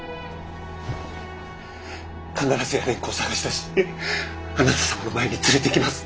必ずや蓮子を捜し出しあなた様の前に連れてきます。